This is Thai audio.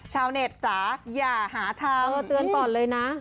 ชาวเน็ตจ๋าอย่าหาทางเตือนก่อนเลยนะ